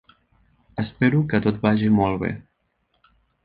Espero que tot vagi molt bé.